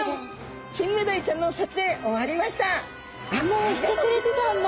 もうしてくれてたんだ。